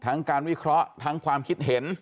การวิเคราะห์ทั้งความคิดเห็น